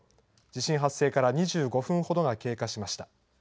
地震発生から２５分ほどが経過しました。